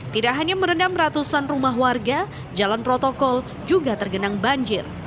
tidak hanya merendam ratusan rumah warga jalan protokol juga tergenang banjir